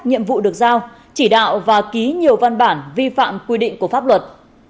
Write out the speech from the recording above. nhiệm vụ được giao chỉ đạo và ký nhiều văn bản vi phạm quy định của pháp luật